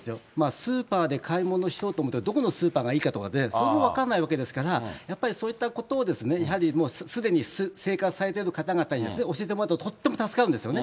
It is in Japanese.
スーパーで買い物しようとしたら、どこのスーパーがいいか、そういうことも分からないわけですから、やっぱり、そういったことをやはりもうすでに生活されている方々に教えてもらうととっても助かるんですよね。